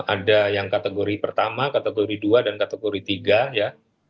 ada yang kategori pertama kategori dua dan kategori tiga ya